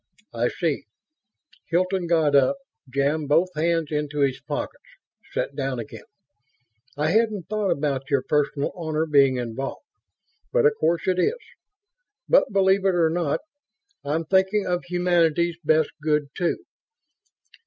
"I see." Hilton got up, jammed both hands into his pockets, sat down again. "I hadn't thought about your personal honor being involved, but of course it is. But, believe it or not, I'm thinking of humanity's best good, too.